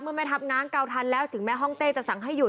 แม่ทัพง้างเกาทันแล้วถึงแม้ห้องเต้จะสั่งให้หุ